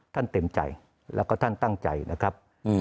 เต็มใจแล้วก็ท่านตั้งใจนะครับ